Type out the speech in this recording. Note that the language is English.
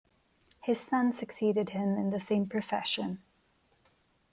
His son succeeded him in the same profession.